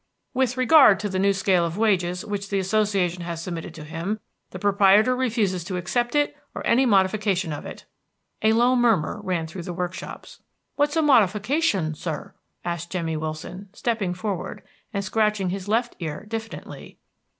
With regard to the new scale of wages which the Association has submitted to him, the Proprietor refuses to accept it, or any modification of it." A low murmur ran through the workshops. "What's a modificashun, sir?" asked Jemmy Willson, stepping forward, and scratching his left ear diffidently.